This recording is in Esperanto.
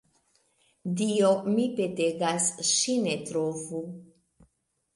Dio, mi petegas, ŝi ne trovu!